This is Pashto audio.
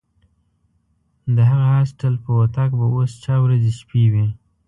د هغه هاسټل په وطاق به اوس چا ورځې شپې وي.